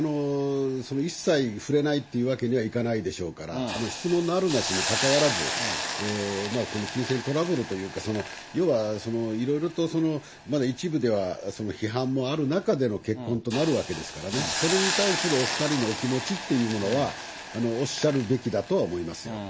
その一切触れないというわけにはいかないでしょうから、質問のあるなしに関わらず、この金銭トラブルというか、要はいろいろと、まだ一部では批判もある中での結婚となるわけですからね、それに対するお２人のお気持ちっていうものは、おっしゃるべきだとは思いますよ。